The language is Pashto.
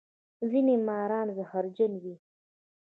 ځینې ماران زهرجن وي